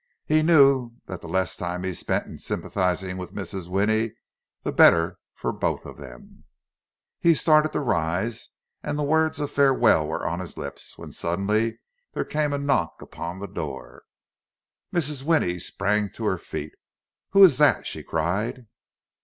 He knew that the less time he spent in sympathizing with Mrs. Winnie, the better for both of them. He had started to rise, and words of farewell were on his lips; when suddenly there came a knock upon the door. Mrs. Winnie sprang to her feet. "Who is that?" she cried.